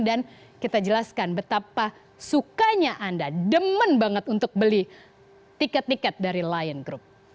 dan kita jelaskan betapa sukanya anda demen banget untuk beli tiket tiket dari lion group